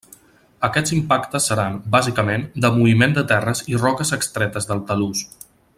Aquests impactes seran, bàsicament, de moviment de terres i roques extretes del talús.